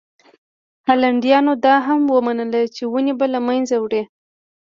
هالنډیانو دا هم ومنله چې ونې به یې له منځه وړي.